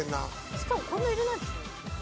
しかもこんな入れないでしょ？